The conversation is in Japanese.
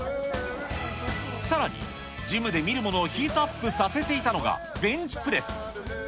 さらにジムで見るものをヒートアップさせていたのが、ベンチプレス。